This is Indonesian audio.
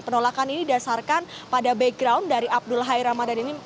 penolakan ini dasarkan pada background dari abdul hai ramadan ini